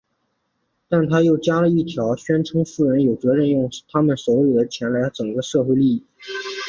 但他又加一条宣称富人有责任用他们手里的钱来让整个社会受益。